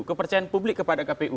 kepercayaan publik kepada kpu